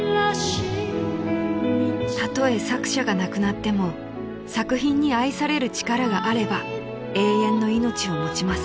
［たとえ作者が亡くなっても作品に愛される力があれば永遠の命を持ちます］